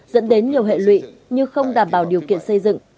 dẫn đến nhiều hệ lụy như không đảm bảo điều kiện xây dựng